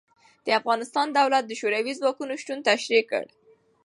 د افغانستان دولت د شوروي ځواکونو شتون تشرېح کړ.